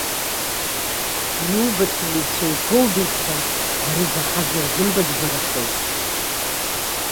Иубац еицәа еиҭоубеит ҳәа, ари заҳаз ирзымбатәбарахеит.